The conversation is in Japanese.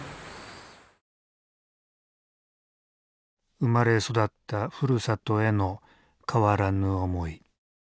生まれ育ったふるさとへの変わらぬ思い。